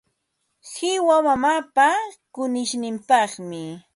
Qiwa mamaapa kunishninpaqmi.